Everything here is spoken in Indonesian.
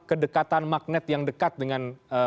kedekatan magnet yang dekat dengan